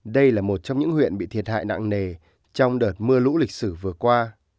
đây là một trong những huyện bị thiệt hại nặng nề trong đợt mưa lũ lịch sử vừa qua